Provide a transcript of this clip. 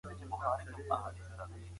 آیا سید قطب یو مشهور لیکوال و؟